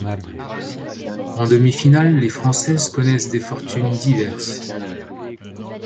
En demi-finale, les françaises connaissent des fortunes diverses.